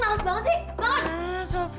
nangis banget sih bangun